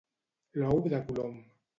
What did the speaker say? L'ou de Colom.